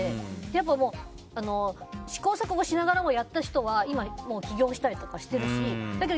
やっぱり、試行錯誤しながらもやった人は起業したりしているし。